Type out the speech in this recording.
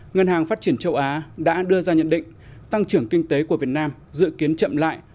ngân hàng phát triển châu á đã đưa ra nhận định tăng trưởng kinh tế của việt nam dự kiến chậm lại